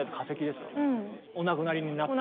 お亡くなりになった。